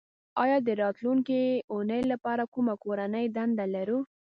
ایا د راتلونکې اونۍ لپاره کومه کورنۍ دنده لرو